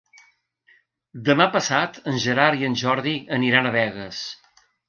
Demà passat en Gerard i en Jordi aniran a Begues.